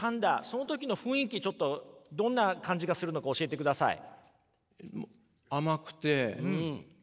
その時の雰囲気ちょっとどんな感じがするのか教えてください。